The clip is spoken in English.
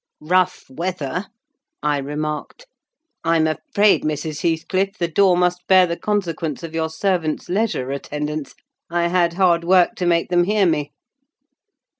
"Rough weather!" I remarked. "I'm afraid, Mrs. Heathcliff, the door must bear the consequence of your servants' leisure attendance: I had hard work to make them hear me."